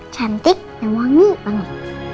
cantik dan wangi banget